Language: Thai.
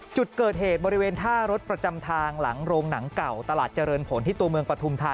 จุดเกิดเหตุบริเวณท่ารถประจำทางหลังโรงหนังเก่าตลาดเจริญผลที่ตัวเมืองปฐุมธา